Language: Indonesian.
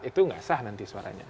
itu nggak sah nanti suaranya